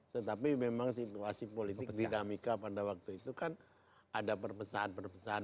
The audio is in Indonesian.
tetapi memang situasi politik dinamika pada waktu itu kan ada perpecahan perpecahan